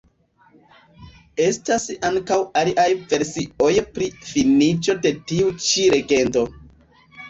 Estas ankaŭ aliaj versioj pri finiĝo de tiu ĉi legendo.